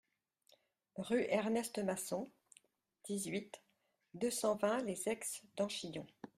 Rue Ernest Masson, dix-huit, deux cent vingt Les Aix-d'Angillon